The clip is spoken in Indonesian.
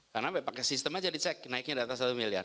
karena pakai sistem aja dicek naiknya di atas satu miliar